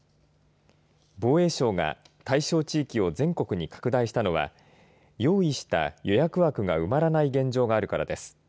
防衛省が対象地域を全国に拡大したのは用意した予約枠が埋まらない現状があるからです。